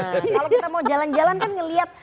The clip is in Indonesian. kalau kita mau jalan jalan kan ngeliat